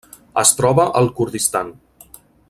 Es troba al Kurdistan.